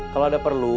kalau ada perlu